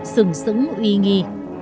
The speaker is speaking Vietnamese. sửng sững uy nghi